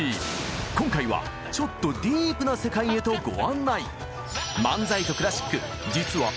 今回はちょっとディープな世界へとご案内。